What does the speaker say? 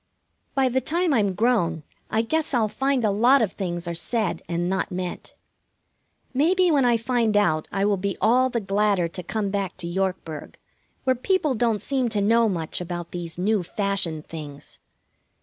By the time I'm grown I guess I'll find a lot of things are said and not meant. Maybe when I find out I will be all the gladder to come back to Yorkburg, where people don't seem to know much about these new fashioned things.